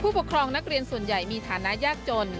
ปกครองนักเรียนส่วนใหญ่มีฐานะยากจน